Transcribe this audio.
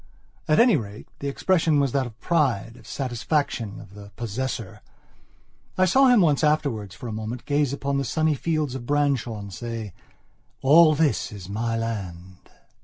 At any rate, the expression was that of pride, of satisfaction, of the possessor. I saw him once afterwards, for a moment, gaze upon the sunny fields of Branshaw and say: "All this is my land!"